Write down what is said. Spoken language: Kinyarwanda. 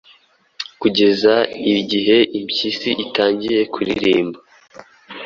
Kugeza igihe impeshyi itangiye kuririmba,